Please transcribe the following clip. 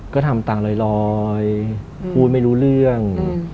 ก็ทำตามลอยพูดไม่รู้เรื่อง